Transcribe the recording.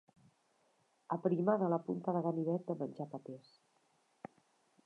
Aprima de la punta el ganivet de menjar patés.